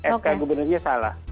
sk gubernurnya salah